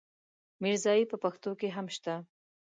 ميرزايي په پښتو کې هم شته.